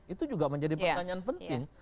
itu juga menjadi pertanyaan penting